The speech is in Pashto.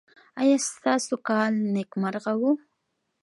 ایا ستاسو کال نیکمرغه و؟